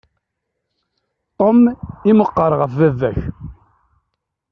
Tom i meqqer ɣef baba-k.